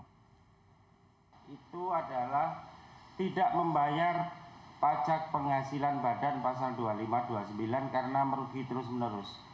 itu adalah tidak membayar pajak penghasilan badan pasal dua puluh lima dua puluh sembilan karena merugi terus menerus